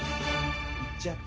いっちゃって。